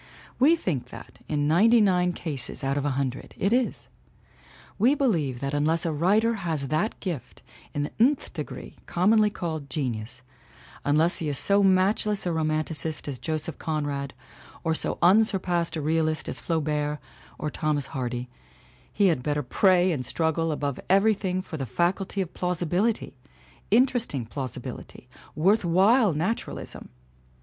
We think that, in ninety nine cases out of a hundred, it is; we believe that unless a writer has that gift in the nth degree commonly called genius, unless he is so matchless a romanticist as Joseph Con rad or so unsurpassed a realist as Flaubert or Thomas Hardy, he had better pray and struggle above every thing for the faculty of plausibility, interesting plausi bility, worth while naturalism!